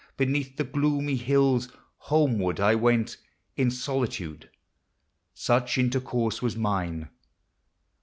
Beneath the gloomy hills, homeward I went In solitude, such intercourse was mine.